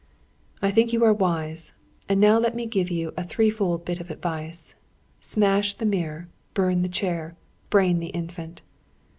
"I think you are wise. And now let me give you a three fold bit of advice. Smash the mirror; burn the chair; brain the Infant!"